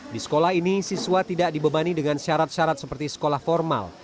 di sekolah ini siswa tidak dibebani dengan syarat syarat seperti sekolah formal